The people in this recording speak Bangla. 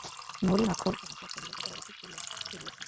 নলিনাক্ষ একটু হাসিয়া কহিল, একেবারে ঠিক করিয়া ফেলিয়াছ?